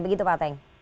begitu pak teng